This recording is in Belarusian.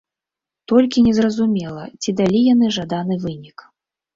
Толькі незразумела, ці далі яны жаданы вынік.